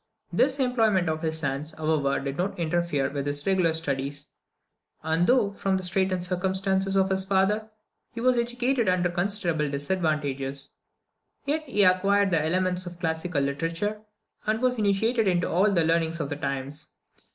This employment of his hands, however, did not interfere with his regular studies; and though, from the straitened circumstances of his father, he was educated under considerable disadvantages, yet he acquired the elements of classical literature, and was initiated into all the learning of the times.